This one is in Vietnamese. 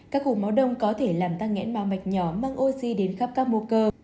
các cuộc máu đông có thể làm tăng nghẽn máu mạch nhỏ mang oxy đến khắp các mô cơ